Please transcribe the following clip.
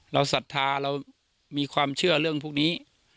ศรัทธาเรามีความเชื่อเรื่องพวกนี้